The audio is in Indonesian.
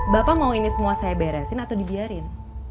bapak mau ini semua saya beresin atau dibiarin